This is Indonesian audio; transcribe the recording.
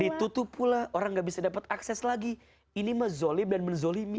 ditutup pula orang gak bisa dapat akses lagi ini mah zolib dan menzolimi